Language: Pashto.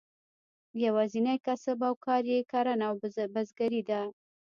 یوازینی کسب او کار یې کرهڼه او بزګري ده.